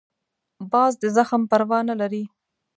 باز د زخم پروا نه لري